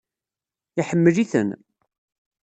Iḥemmel-iten.